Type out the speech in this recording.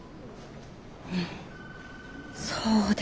うんそうです。